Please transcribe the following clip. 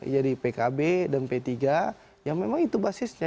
jadi pkb dan p tiga ya memang itu basisnya